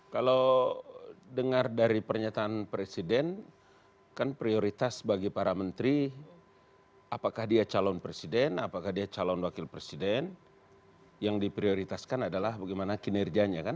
kalau dengar dari pernyataan presiden kan prioritas bagi para menteri apakah dia calon presiden apakah dia calon wakil presiden yang diprioritaskan adalah bagaimana kinerjanya kan